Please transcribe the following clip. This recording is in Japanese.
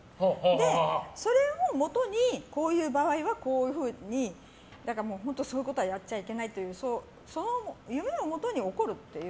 で、それをもとにこういう場合はこういうふうにそういうことはやっちゃいけないって夢をもとに怒るっていう。